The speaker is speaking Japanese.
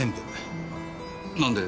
なんで？